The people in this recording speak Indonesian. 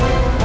gak ada apa